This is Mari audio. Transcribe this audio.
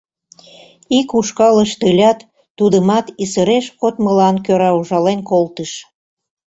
Ик ушкалышт ылят, тудымат исыреш кодмылан кӧра ужален колтыш.